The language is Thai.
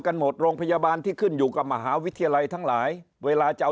หมดโรงพยาบาลที่ขึ้นอยู่กับมหาวิทยาลัยทั้งหลายเวลาจะเอา